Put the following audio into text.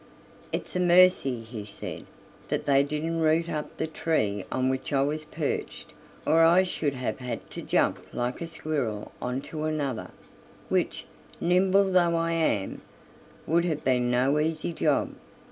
"It's a mercy," he said, "that they didn't root up the tree on which I was perched, or I should have had to jump like a squirrel on to another, which, nimble though I am, would have been no easy job."